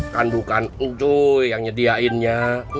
kan bukan yang nyediainnya